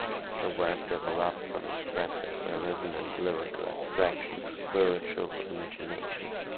Her work developed from expressive realism and lyrical abstraction to spiritual imagination.